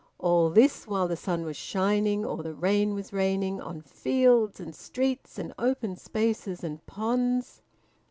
All this, while the sun was shining, or the rain was raining, on fields and streets and open spaces and ponds!